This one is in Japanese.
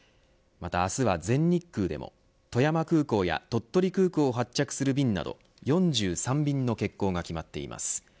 また明日は全日空でも富山空港や鳥取空港を発着する便など４３便の欠航が決まっています。